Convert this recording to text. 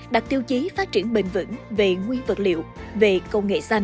đặt tiêu chí phát triển bền vững về nguyên vật liệu về công nghệ xanh